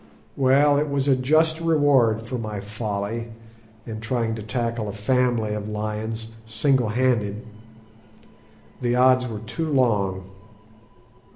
"Well, it was a just reward for my folly in trying to tackle a family of lions single handed. The odds were too long.